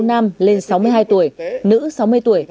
nam lên sáu mươi hai tuổi nữ sáu mươi tuổi